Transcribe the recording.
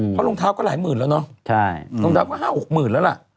เพราะรองเท้าก็หลายหมื่นแล้วเนาะรองเท้าก็๕๖หมื่นแล้วล่ะ